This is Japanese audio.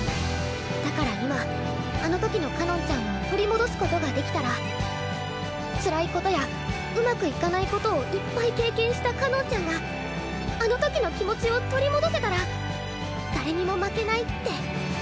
だから今あの時のかのんちゃんを取り戻すことができたらつらいことやうまくいかないことをいっぱい経験したかのんちゃんがあの時の気持ちを取り戻せたら誰にも負けないって。